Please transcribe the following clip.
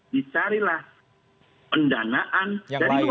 dicarilah pendanaan dari luar